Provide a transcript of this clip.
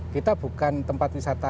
kita bukan tempat wisata